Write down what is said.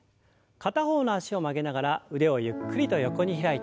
片方の脚を曲げながら腕をゆっくりと横に開いて。